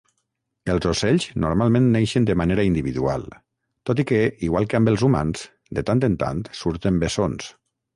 Els ocells normalment neixen de manera individual, tot i que, igual que amb els humans, de tant en tant surten bessons.